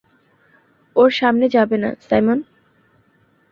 ওর সাথে যাবে না, সাইমন?